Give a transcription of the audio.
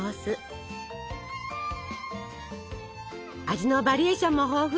味のバリエーションも豊富。